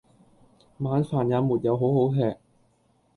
晚飯也沒有好好吃！